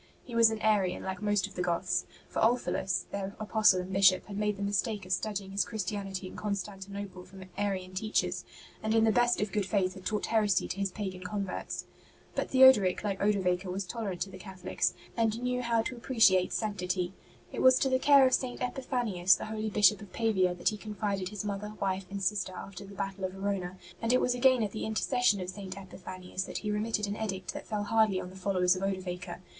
He was an Arian like most of the Goths; for Ulfilas, their apostle and Bishop, had made the mistake of studying his Christianity in Constantinople from Arian teachers, and in the best of good faith had taught heresy to his pagan converts. But Theodoric, like Odovaker, was tolerant to the Catholics, and knew how to appreciate 26 ST. BENEDICT sanctity. It was to the care of St. Epiphanius, the holy Bishop of Pavia, that he confided his mother, wife and sister after the battle of Verona; and it was again at the inter cession of St. Epiphanius that he remitted an edict that fell hardly on the followers of Odovaker.